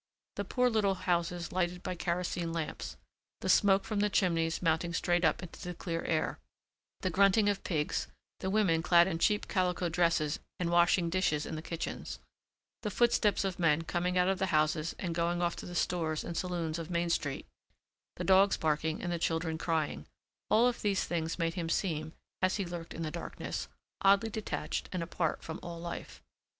The poor little houses lighted by kerosene lamps, the smoke from the chimneys mounting straight up into the clear air, the grunting of pigs, the women clad in cheap calico dresses and washing dishes in the kitchens, the footsteps of men coming out of the houses and going off to the stores and saloons of Main Street, the dogs barking and the children crying—all of these things made him seem, as he lurked in the darkness, oddly detached and apart from all life.